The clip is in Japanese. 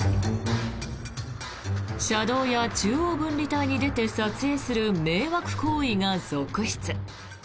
車道や中央分離帯に出て撮影する迷惑行為が続出。